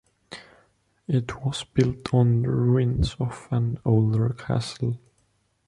It was built on the ruins of an older castle.